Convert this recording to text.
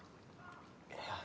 いや。